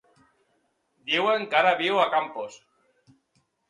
Diuen que ara viu a Campos.